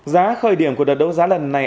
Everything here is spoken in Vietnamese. giá khởi điểm của đợt đấu giá lần này